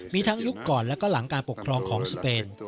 มีทั้งยุคก่อนและก็หลังการปกครองของสเปน